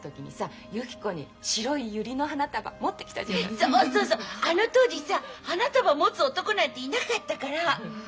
そうそうそうあの当時さ花束持つ男なんていなかったから。